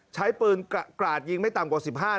ใช้ปืนกราดยิงไม่ต่ำกว่า๑๕